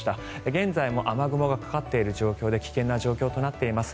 現在も雨雲がかかっている状況で危険な状況となっています。